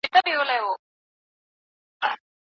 ګوندي خدای مو سي پر مېنه مهربانه